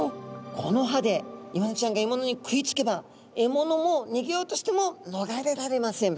この歯でイワナちゃんがえものに食いつけばえものもにげようとしてものがれられません。